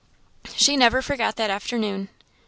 She never forgot that afternoon.